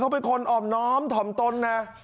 เขาเล่าบอกว่าเขากับเพื่อนเนี่ยที่เรียนปลูกแดงใช่ไหม